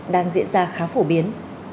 đang diễn ra khá phổ biến